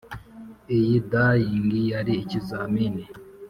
iyi dallying yari ikizamini